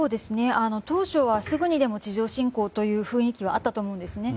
当初はすぐにでも地上侵攻という雰囲気はあったと思うんですね。